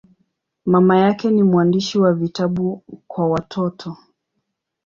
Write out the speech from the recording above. Mama yake ni mwandishi wa vitabu kwa watoto.